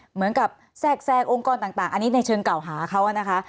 เหมือนกับแทรกแทรงองค์กรต่างอันนี้ในเชิงเก่าหาเขานะคะ